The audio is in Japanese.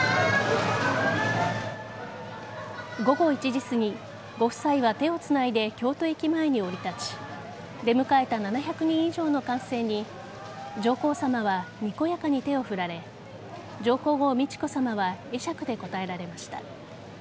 午後１時すぎご夫妻は手をつないで京都駅前に降り立ち出迎えた７００人以上の歓声に上皇さまはにこやかに手を振られ上皇后・美智子さまは会釈で応えられました。